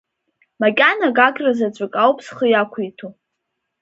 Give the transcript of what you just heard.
Макьана Гагра заҵәык ауп зхы иақәиҭу.